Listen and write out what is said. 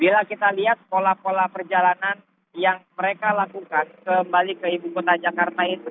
bila kita lihat pola pola perjalanan yang mereka lakukan kembali ke ibu kota jakarta itu